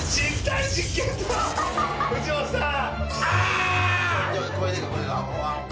藤本さん。